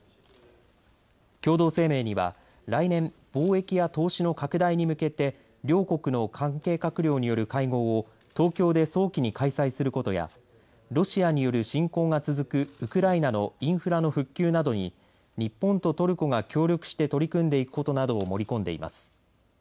共同声明には来年、貿易や投資の拡大に向けて両国の関係閣僚による会合を東京で早期に開催することやロシアによる侵攻が続くウクライナのインフラの復旧などに日本とトルコが協力して取り組んでいくことなどを盛り込んでいます。